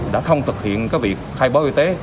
đã không thực hiện việc khai báo y tế